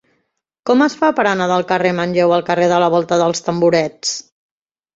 Com es fa per anar del carrer de Manlleu al carrer de la Volta dels Tamborets?